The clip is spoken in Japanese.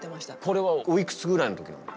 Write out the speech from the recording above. これはおいくつぐらいの時なんだ？